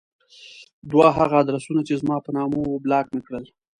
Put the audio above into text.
دوه هغه ادرسونه چې زما په نامه وو بلاک مې کړل.